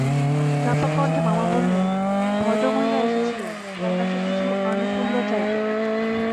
চাপা কণ্ঠে মামা বললেন, ভদ্রমহিলা এসেছিলেন তাঁর কাছে কিছু আনুকূল্য চাইতে।